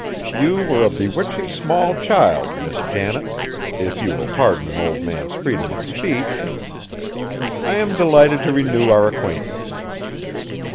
You were a bewitching small child, Miss Janet, if you will pardon an old man's freedom of speech. I am delighted to renew our acquaintance."